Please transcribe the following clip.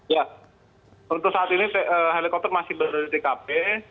ya untuk saat ini helikopter masih berada di tkp